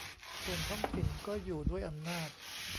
ส่วนท้องถิ่นก็อยู่ด้วยอำนาจ